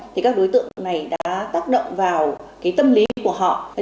thì các đối tượng này doanh nghiệp đã tác động vào cái tâm lý của họ imagination person